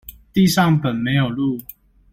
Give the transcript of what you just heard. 地上本沒有路